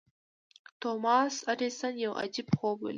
توماس ايډېسن يو عجيب خوب وليد.